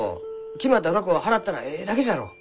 決まった額を払ったらえいだけじゃろう？